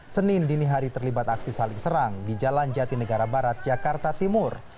senin dini hari terlibat aksi saling serang di jalan jatinegara barat jakarta timur